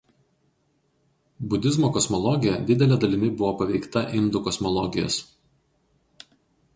Budizmo kosmologija didele dalimi buvo paveikta indų kosmologijos.